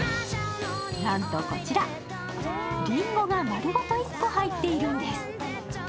なんと、こちらりんごが丸ごと１個入っているんです。